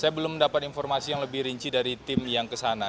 saya belum dapat informasi yang lebih rinci dari tim yang kesana